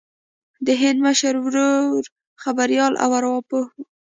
د هغه مشر ورور خبریال او ارواپوه و